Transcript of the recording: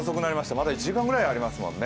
まだ１時間ぐらいありますもんね。